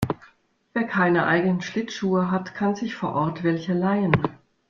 Wer keine eigenen Schlittschuhe hat, kann sich vor Ort welche leihen.